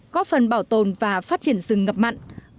góp phần bảo tồn và phát triển rừng mắm bị chết